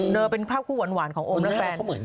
เป็นภาพคู่หวานของโอมและแฟน